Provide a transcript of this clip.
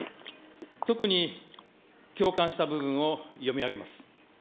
特に共感した部分を読み上げます。